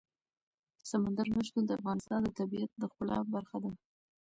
سمندر نه شتون د افغانستان د طبیعت د ښکلا برخه ده.